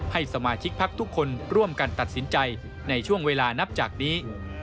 ให้สมาชิกพักทุกคนร่วมกันตัดสินใจในช่วงเวลานับจากนี้